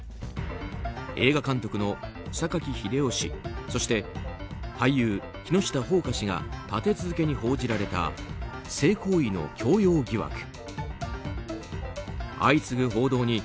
映画監督の榊英雄氏そして、俳優・木下ほうか氏が立て続けに報じられた性行為の強要疑惑。